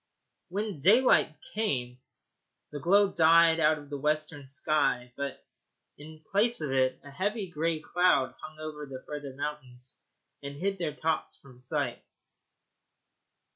When daylight came the glow died out of the western sky, but in place of it a heavy gray cloud hung over the further mountains and hid their tops from sight.